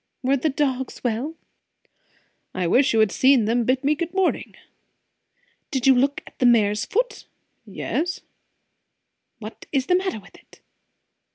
"Were the dogs well?" "I wish you had seen them bid me good morning!" "Did you look at the mare's foot?" "Yes." "What is the matter with it?"